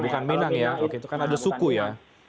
bukan minang ya kan ada suku ya